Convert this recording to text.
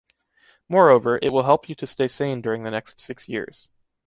Moreover, it will help you to stay sane during the next six years.